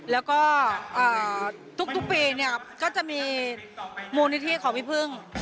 แล้วก็ทุกปีเนี่ยก็จะมีมูลนิธิของพี่พึ่ง